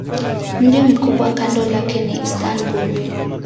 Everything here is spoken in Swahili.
Mji mkubwa kando lake ni Istanbul.